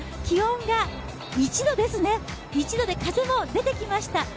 気温が１度ですね、１度で風も出てきました。